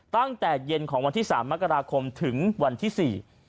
ตั้งแต่เย็นของวันที่สามมกราคมถึงวันที่สี่